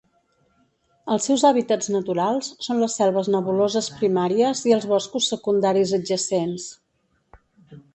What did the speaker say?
Els seus hàbitats naturals són les selves nebuloses primàries i els boscos secundaris adjacents.